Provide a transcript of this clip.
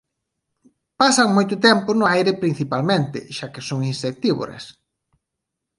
Pasan moito tempo no aire principalmente xa que son insectívoras.